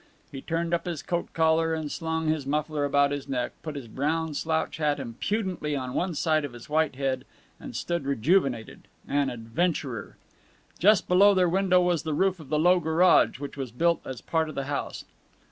He turned up his coat collar and slung his muffler about his neck, put his brown slouch hat impudently on one side of his white head, and stood rejuvenated, an adventurer. Just below their window was the roof of the low garage, which was built as part of the house.